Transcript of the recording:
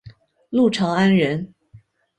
陆朝安人。